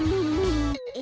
え？